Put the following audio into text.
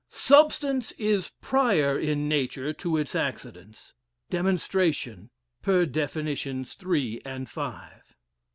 Substance is prior in nature to its accidents. Demonstration. Per definitions three and five.